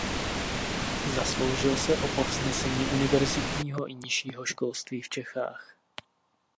Zasloužil se o povznesení univerzitního i nižšího školství v Čechách.